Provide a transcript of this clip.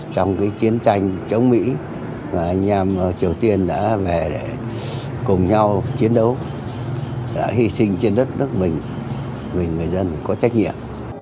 trong chiến tranh chống mỹ anh em triều tiên đã về để cùng nhau chiến đấu đã hy sinh trên đất nước mình vì người dân có trách nhiệm